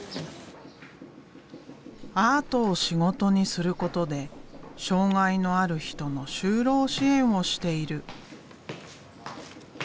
アートを仕事にすることで障害のある人の就労支援をしている。